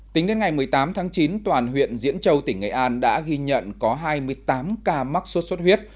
tính đến ngày một mươi tám tháng chín toàn huyện diễn châu tỉnh nghệ an đã ghi nhận có hai mươi tám ca mắc sốt xuất huyết